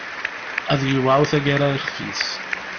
Ad yewɛu taggara ixef-is.